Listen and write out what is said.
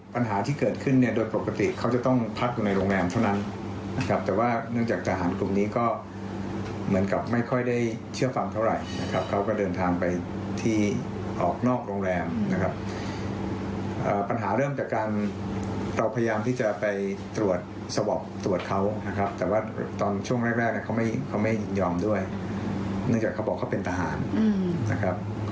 เราก็เอาตำรวจไปพื้นที่รายงานอย่างนั้นนะครับ